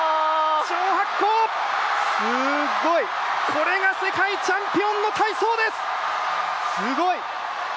これが世界チャンピオンの体操です。